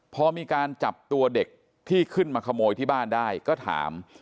พอมีการจับตัวเด็กที่ขึ้นมาขโมยที่บ้านได้ก็ถาม